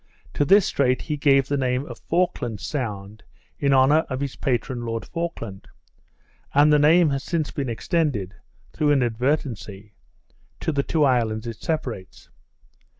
To this strait he gave the name of Falkland's Sound, in honour of his patron Lord Falkland; and the name has since been extended, through inadvertency, to the two islands it separates.